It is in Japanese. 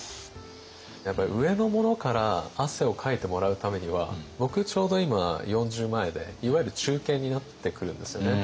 やっぱり上の者から汗をかいてもらうためには僕ちょうど今４０前でいわゆる中堅になってくるんですよね。